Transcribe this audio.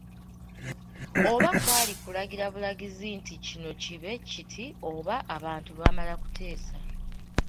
Oba kwali kulagira bulagizi nti kino kibe kiti oba abantu baamala kuteesa.